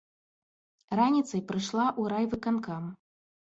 Раніцай прыйшла ў райвыканкам.